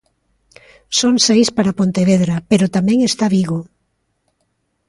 Son seis para Pontevedra, pero tamén está Vigo.